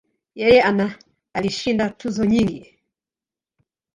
Yeye ana alishinda tuzo nyingi.